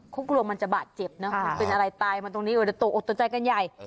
เขากลัวมันจะบาดเจ็บนะคุณเป็นอะไรตายมาตรงนี้ก็จะตกออกตกใจกันใหญ่